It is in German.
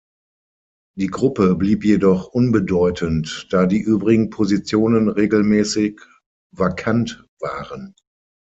Die Gruppe blieb jedoch unbedeutend, da die übrigen Positionen regelmäßig vakant waren.